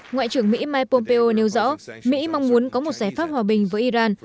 ngoại trưởng mỹ mike pompeo nêu rõ mỹ mong muốn có một giải pháp hòa bình với iran